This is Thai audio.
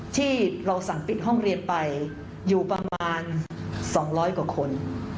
ที่เราสั่งปิดห้องเรียนไปอยู่ประมาณ๒๐๐กว่าคน